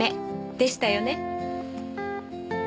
でしたよね。